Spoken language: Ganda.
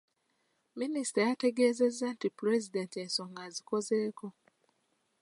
Minisita yategeezezza nti Pulezidenti ensonga azikozeeko.